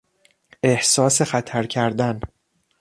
احساس خطر کردن